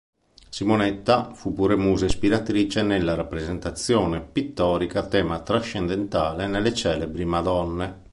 Simonetta fu pure musa ispiratrice nella rappresentazione pittorica a tema trascendentale nelle celebri Madonne.